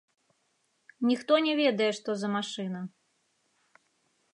Ніхто не ведае, што за машына.